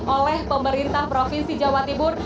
oleh pemerintah provinsi jawa timur